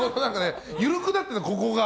緩くなってるの、ここが。